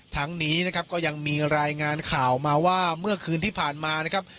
ทั้งนี้นะครับก็ยังมีรายงานข่าวมาว่าเมื่อคืนที่ผ่านมานะครับ